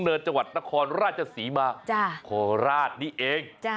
เนินจังหวัดนครราชศรีมาโคราชนี่เอง